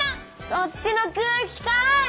そっちの空気かい！